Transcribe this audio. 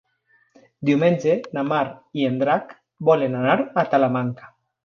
Diumenge na Mar i en Drac volen anar a Talamanca.